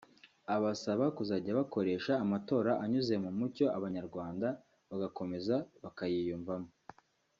abasaba kuzajya bakoresha amatora anyuze mu mucyo; Abanyarwanda bagakomeza bakayiyumvamo